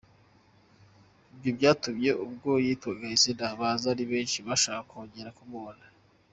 Ibyo byatumye ubwo yitwaga izina baza ari benshi bashaka kongera kumubona.